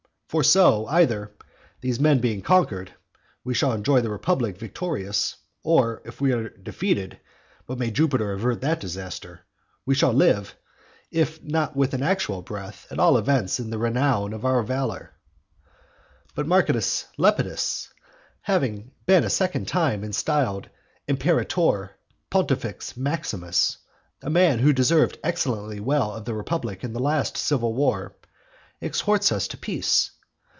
For so, either (these men being conquered) we shall enjoy the republic victorious, or, if we be defeated (but may Jupiter avert that disaster), we shall live, if not with an actual breath, at all events in the renown of our valour. IV. But Marcus Lepidus, having been a second time styled Imperator, Pontifex Maximus, a man who deserved excellently well of the republic in the last civil war, exhorts us to peace.